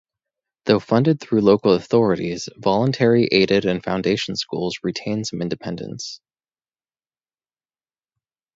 Though funded through local authorities, voluntary aided and foundation schools retain some independence.